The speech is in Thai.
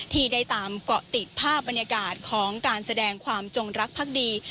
ที่ได้ตามเกาะติดภาพบรรยากาศของการแสดงความจงรักภักดี